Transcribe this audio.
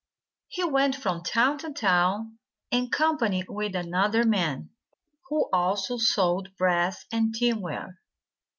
He went from town to town, in company with another man, who also sold brass and tinware.